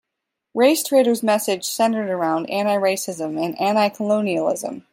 Racetraitor's message centered around anti-racism and anti-colonialism.